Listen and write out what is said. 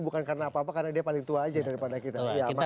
bukan karena apa apa karena dia paling tua aja daripada kita